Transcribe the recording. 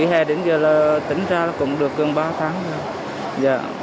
ở mình ở huế lúc nghỉ hè đến giờ tỉnh ra được gần ba tháng rồi